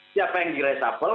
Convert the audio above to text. siapa yang diresable